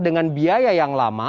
dengan biaya yang lama